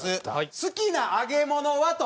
「好きな揚げ物は？」と。